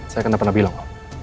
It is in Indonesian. saya kan tidak pernah bilang